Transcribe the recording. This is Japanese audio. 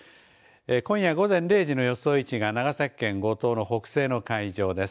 今夜午前０時の予想位置が長崎県五島の北西の海上です。